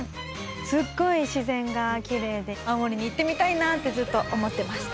すっごい自然が奇麗で青森に行ってみたいなってずっと思ってました。